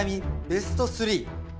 ベスト３。